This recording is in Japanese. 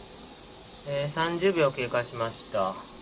３０秒経過しました。